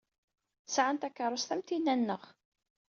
Sɛan takeṛṛust am tinna-nneɣ.